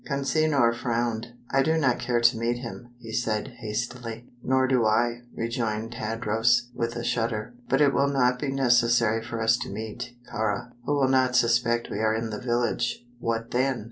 Consinor frowned. "I do not care to meet him," he said, hastily. "Nor do I," rejoined Tadros, with a shudder; "but it will not be necessary for us to meet Kāra, who will not suspect we are in the village." "What then?"